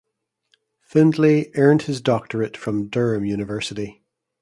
Findlay earned his doctorate from Durham University.